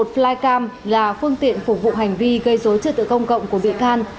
một flycam là phương tiện phục vụ hành vi gây dối trật tự công cộng của bị can